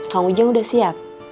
kang ujang udah siap